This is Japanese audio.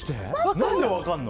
何で分かるの？